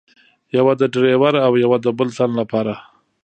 یوه د ډریور او یوه د بل تن له پاره.